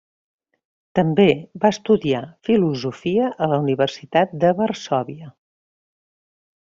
També va estudiar filosofia a la Universitat de Varsòvia.